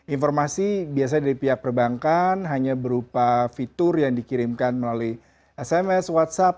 informasi biasanya dari pihak perbankan hanya berupa fitur yang dikirimkan melalui sms whatsapp